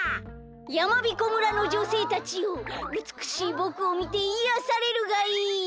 やまびこ村のじょせいたちようつくしいぼくをみていやされるがいい！